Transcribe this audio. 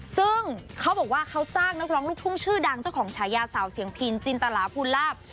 ซึ่งเขาบอกว่าเขาจ้างนักร้องลูกทุ่งชื่อดังเจ้าของฉายาสาวเสียงพินจินตลาภูลาภ